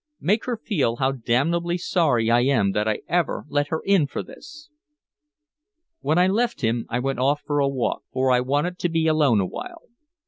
Make her feel how damnably sorry I am that I ever let her in for this!" When I left him I went off for a walk, for I wanted to be alone awhile.